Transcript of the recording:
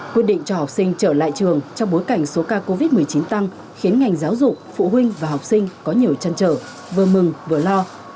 quyết định cho học sinh trở lại trường trong bối cảnh số ca covid một mươi chín tăng khiến ngành giáo dục phụ huynh và học sinh có nhiều chân trở vừa mừng vừa lo